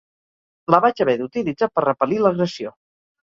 La vaig haver d’utilitzar per repel·lir l’agressió.